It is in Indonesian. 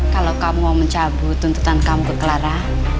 kalau kamu mau mencabut tuntutan kamu ke clara